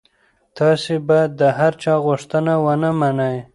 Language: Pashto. تاسي باید د هر چا غوښتنه ونه منئ.